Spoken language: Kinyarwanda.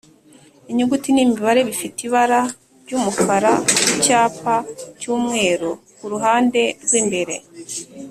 Inyuguti n’imibare bifite ibara ry’umukara ku cyapa cy’umweru ku ruhande rw’imbere